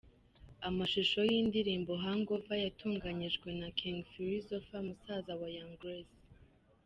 Amashusho y’indirimbo ‘Hangover’ yatunganyijwe na King Philosophe musaza wa Young Grace.